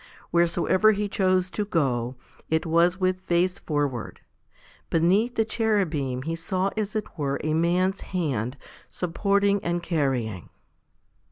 Wheresoever He chose to go, it was with face forward. Beneath the Cherubim he saw as it were a man's hand supporting and carrying.